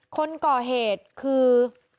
คนก่อเหตุคือ